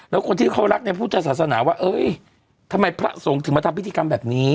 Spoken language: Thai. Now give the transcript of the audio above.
แล้วคนที่เขารักในพุทธศาสนาว่าเอ้ยทำไมพระสงฆ์ถึงมาทำพิธีกรรมแบบนี้